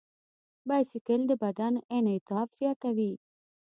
بایسکل د بدن انعطاف زیاتوي.